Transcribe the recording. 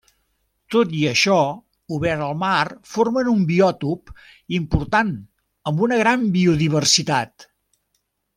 Tot i això, obert al mar formen un biòtop important amb una gran biodiversitat.